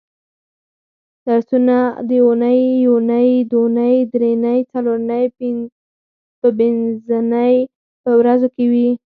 درسونه د اونۍ یونۍ دونۍ درېنۍ څلورنۍ پبنځنۍ په ورځو کې وي